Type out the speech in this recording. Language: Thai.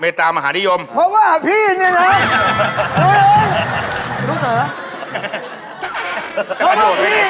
เมตตามไมธริยมเพราะว่าพี่เนี่ยเนี่ยพี่เจาก่อนก่อนละเขาบอกพี่เนี่ย